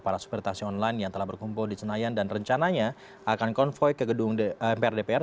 para supir taksi online yang telah berkumpul di senayan dan rencananya akan konvoy ke gedung mpr dpr